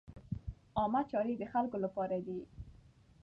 عامه چارې د خلکو له پاره دي.